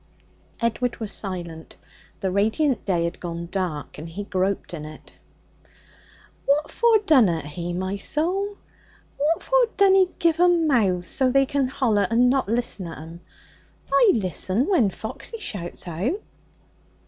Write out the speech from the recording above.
Edward was silent. The radiant day had gone dark, and he groped in it. 'What for dunnot He, my soul? What for dun He give 'em mouths so's they can holla, and not listen at 'em? I listen when Foxy shouts out.'